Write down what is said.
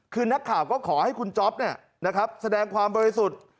คือนักข่าวก็ขอให้คุณจ๊อปแสดงความบริสุทธิ์